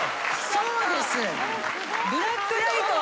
そうです。